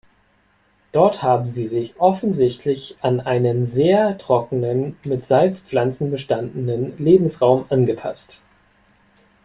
Dort haben sie sich offensichtlich an einen sehr trockenen, mit Salzpflanzen bestandenen Lebensraum angepasst.